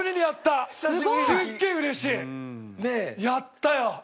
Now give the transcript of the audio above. やったよ！